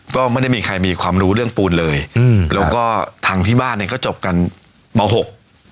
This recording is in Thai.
ก็ไม่ได้มีใครมีความรู้เรื่องปูนเลยอืมแล้วก็ทางที่บ้านเนี้ยก็จบกันมหก